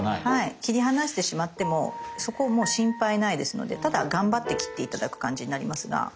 切り離してしまってもそこもう心配ないですのでただ頑張って切って頂く感じになりますが。